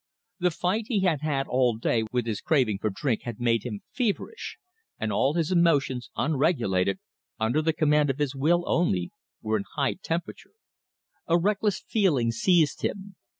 The fight he had had all day with his craving for drink had made him feverish, and all his emotions unregulated, under the command of his will only were in high temperature. A reckless feeling seized him.